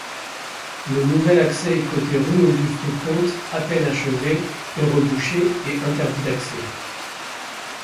Le nouvel accès côté rue Auguste-Comte, à peine achevé, est rebouché et interdit d'accès.